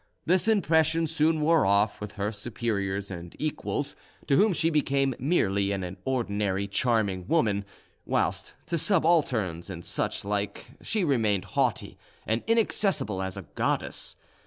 This impression soon wore off with her superiors and equals, to whom she became merely an ordinary charming woman, whilst to subalterns and such like she remained haughty and inaccessible as a goddess.